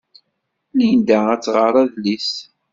Linda ad tɣer adlis.